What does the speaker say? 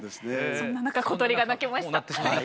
そんな中小鳥が鳴きました。